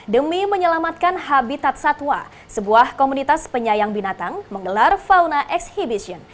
demi menyelamatkan habitat satwa sebuah komunitas penyayang binatang menggelar fauna exhibition